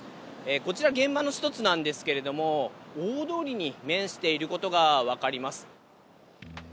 こちら、現場の一つなんですけれども、大通りに面していることが分かります。